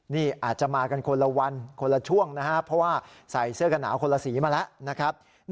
นี่อาจจะมากันคนละวันคนละช่วงนะครับเพราะว่าใส่เสื้อกันหนาวคนละสีมาแล้วนะครับ